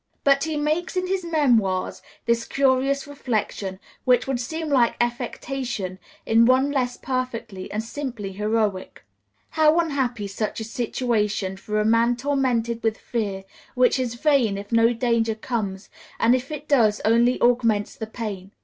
But he makes in his memoirs this curious reflection, which would seem like affectation in one less perfectly and simply heroic: "How unhappy such a situation for a man tormented with fear, which is vain if no danger comes, and if it does, only augments the pain.